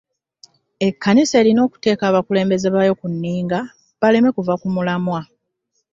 Ekkanisa erina okuteeka abakulembeze baayo ku nninga baleme kuva ku mulamwa.